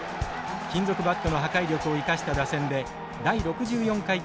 金属バットの破壊力を生かした打線で第６４回大会で優勝。